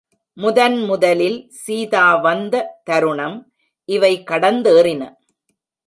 முதன்முதலில் சீதா வந்த தருணம் இவை கடந்தேறின.